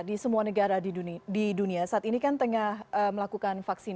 di semua negara di dunia saat ini kan tengah melakukan vaksin